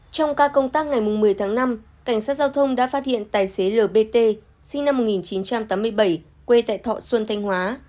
trong ca công tác ngày một mươi tháng năm cảnh sát giao thông đã phát hiện tài xế lpt sinh năm một nghìn chín trăm tám mươi bảy quê tại thọ xuân thanh hóa